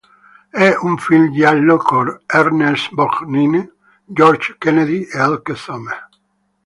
È un film giallo con Ernest Borgnine, George Kennedy e Elke Sommer.